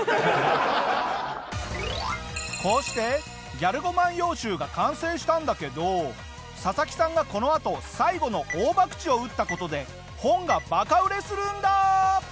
こうして「ギャル語万葉集」が完成したんだけどササキさんがこのあと最後の大ばくちを打った事で本がバカ売れするんだ！